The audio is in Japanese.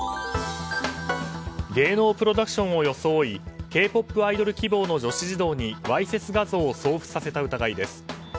芸能プロダクションを装いＫ‐ＰＯＰアイドル希望の女子児童にわいせつ画像を送付させた疑いです。